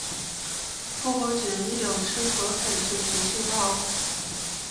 复活节亦有吃火腿和十字包。